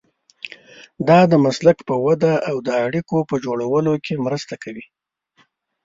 دا د مسلک په وده او د اړیکو په جوړولو کې مرسته کوي.